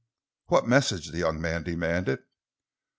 "What message?" the young man demanded.